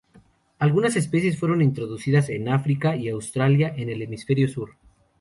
Algunas especies fueron introducidas en África y Australia en el hemisferio sur.